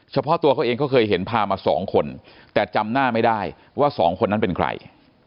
เฉพาะตัวเขาเองเขาเคยเห็นพามาสองคนแต่จำหน้าไม่ได้ว่าสองคนนั้นเป็นใคร